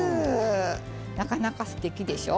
なかなかすてきでしょ。